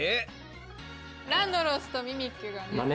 ランドロスとミミッキュがね。